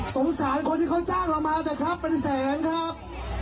สงสารคนที่เขาจ้างเรามาเถอะครับเป็นแสนครับ